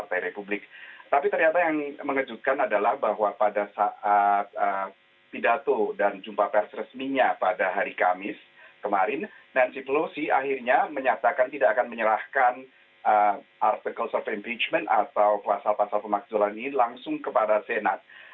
tapi ternyata yang mengejutkan adalah bahwa pada saat pidato dan jumpa pers resminya pada hari kamis kemarin nancy pelosi akhirnya menyatakan tidak akan menyerahkan artikel impeachment atau pasal pasal pemakzulan ini langsung kepada senat